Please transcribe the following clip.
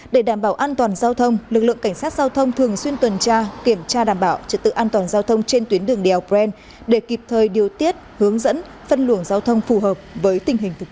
để đảm bảo an toàn giao thông lực lượng cảnh sát giao thông thường xuyên tuần tra kiểm tra đảm bảo trật tự an toàn giao thông trên tuyến đường đèo pren để kịp thời điều tiết hướng dẫn phân luồng giao thông phù hợp với tình hình thực tế